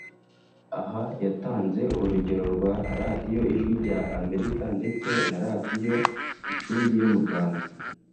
Aha yatanze urugero rwa Radiyo ijwi rya Amerika ndetse na Radiyo Gicumbi yo mu Rwanda